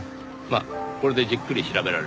まあこれでじっくり調べられます。